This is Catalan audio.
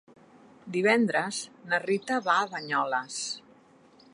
Divendres na Rita va a Banyoles.